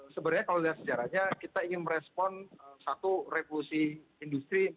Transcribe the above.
sebenarnya kalau lihat sejarahnya kita ingin merespon satu revolusi industri